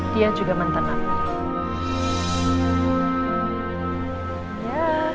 dia juga mantan api